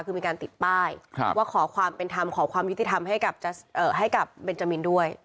คือมีการติดป้ายว่าขอความเป็นธรรมขอความยุติธรรมให้กับเบนจามินด้วย